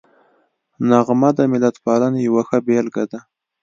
نغمه د ملتپالنې یوه ښه بېلګه ده